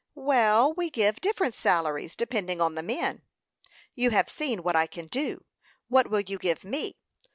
"Well, we give different salaries, depending on the men." "You have seen what I can do what will you give me?